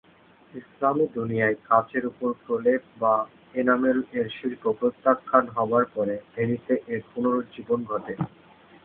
ইসলামী দুনিয়ায় কাচের উপর প্রলেপ বা এনামেল এর শিল্প প্রত্যাখ্যান হবার পরে ভেনিসে এর পুনরুজ্জীবন ঘটে।